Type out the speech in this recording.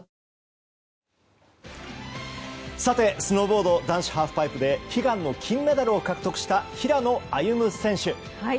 スノーボード男子ハーフパイプで悲願の金メダルを獲得した平野歩夢選手。